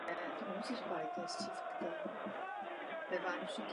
Mohu vám slíbit, že každý z nich důkladně zvážíme.